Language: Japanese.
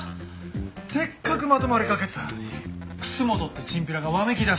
せっかくまとまりかけてたのに楠本ってチンピラがわめきだして。